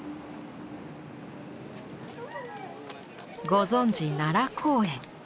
ご存じ奈良公園。